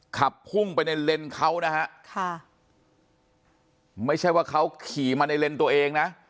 ขับพุ่งไปในเลนเขานะฮะค่ะไม่ใช่ว่าเขาขี่มาในเลนส์ตัวเองนะ